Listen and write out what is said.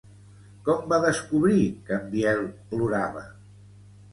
Com va descobrir que en Biel plorava?